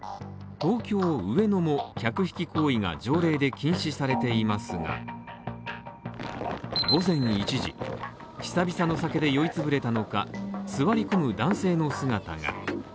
東京・上野も客引き行為が条例で禁止されていますが、午前一時久々の先で酔いつぶれたのか、座り込む男性の姿が。